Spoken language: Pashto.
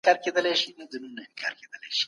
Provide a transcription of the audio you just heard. ټولني په بېلابېلو برخو کي پرمختګ کړی دی.